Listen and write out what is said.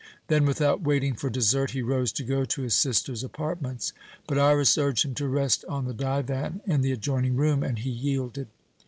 Then, without waiting for dessert, he rose to go to his sister's apartments. But Iras urged him to rest on the divan in the adjoining room, and he yielded.